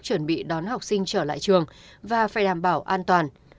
chuẩn bị đón học sinh trở lại trường và phải đảm bảo an toàn